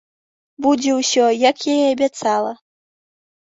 Будзе ўсё, як я і абяцала.